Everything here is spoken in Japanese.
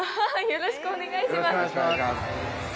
よろしくお願いします。